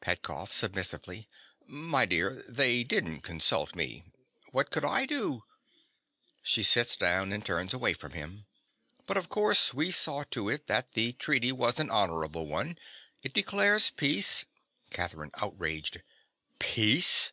PETKOFF. (submissively). My dear: they didn't consult me. What could I do? (She sits down and turns away from him.) But of course we saw to it that the treaty was an honorable one. It declares peace— CATHERINE. (outraged). Peace!